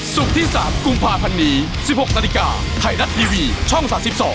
ที่๓กุมภาพันธ์นี้๑๖นาฬิกาไทยรัฐทีวีช่อง๓๒